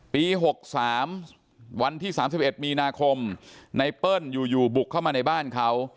ปี๖๓วันที่๓๑มีนาคมไนเปิ้ลอยู่บุกเข้ามาในบ้านเขา